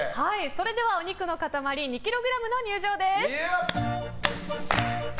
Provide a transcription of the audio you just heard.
それではお肉の塊２ｋｇの入場です！